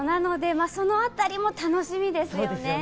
そのあたりも楽しみですよね。